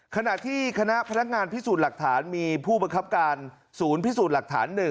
ขณะที่คณะพนักงานพิสูจน์หลักฐานมีผู้บังคับการศูนย์พิสูจน์หลักฐาน๑